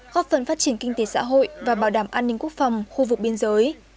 góp phần phát triển kinh tế xã hội và bảo đảm an ninh quốc phòng khu vực biên giới